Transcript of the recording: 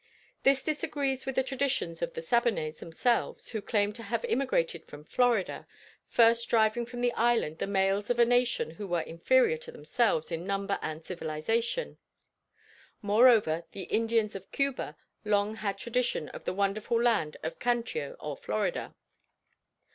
This disagrees with the traditions of the Siboneyes themselves who claim to have immigrated from Florida; first driving from the island the males of a nation who were inferior to themselves in number and civilization; moreover the Indians of Cuba long had tradition of the wonderful land of Cantio or Florida.